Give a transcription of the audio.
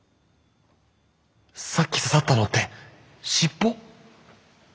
さっき刺さったのって尻尾？